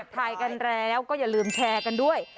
ถ่ายกันแล้วก็อย่าลืมแชร์กันด้วย